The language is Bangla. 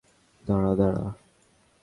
দাঁড়া, দাঁড়া!